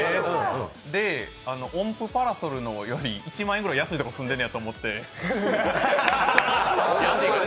音符パラソルのより１万円ぐらい安いところに住んでるのやと思って。